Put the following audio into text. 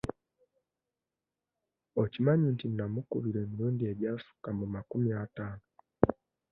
Okimanyi nti nnamukubira emirundi egyasukka mu makumi ataano?